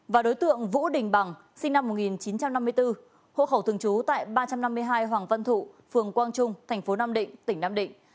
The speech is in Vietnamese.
và đối tượng vũ đình bằng sinh năm một nghìn chín trăm năm mươi bốn hộ khẩu thường trú tại ba trăm năm mươi hai hoàng văn thụ phường quang trung thành phố nam định tỉnh nam định